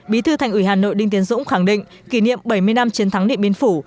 bí thư thành ủy hà nội đinh tiến dũng khẳng định kỷ niệm bảy mươi năm chiến thắng điện biên phủ